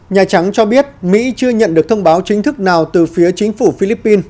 nhà trắng cho biết mỹ chưa nhận được thông báo chính thức nào từ phía chính phủ philippines